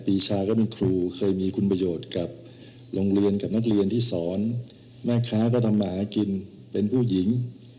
ปีชาก็เป็นครูเคยมีคุณประโยชน์กับโรงเรียนกับนักเรียนที่สอนแม่ค้าก็ทำมาหากินเป็นผู้หญิง